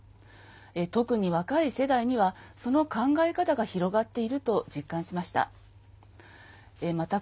特に若い世代にはその考え方が広がっていると実感しました。